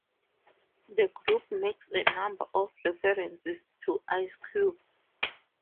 The group makes a number of references to Ice Cube.